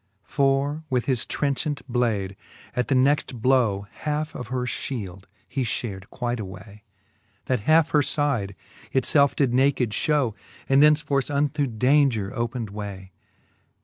For with his trenchant blade at the next blow Halfe of her Ihield he fliared quite away, That halfe her fide it felfe did naked Ihow, And thenceforth unto daunger opened way.